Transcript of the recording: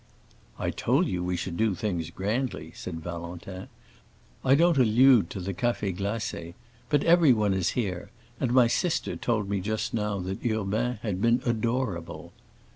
"I told you we should do things grandly," said Valentin. "I don't allude to the cafés glacés. But everyone is here, and my sister told me just now that Urbain had been adorable."